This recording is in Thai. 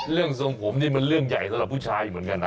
ทรงผมนี่มันเรื่องใหญ่สำหรับผู้ชายเหมือนกันนะ